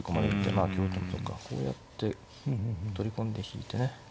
まあ基本的にそうかこうやって取り込んで引いてね。